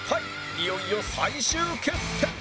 いよいよ最終決戦